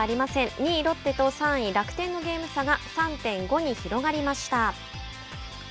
２位ロッテと３位楽天のゲーム差が３．５に広がりました。